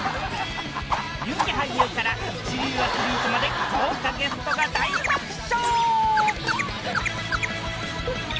人気俳優から一流アスリートまで豪華ゲストが大爆笑！